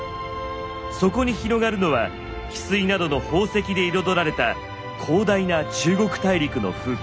そこに広がるのは翡翠などの宝石で彩られた広大な中国大陸の風景。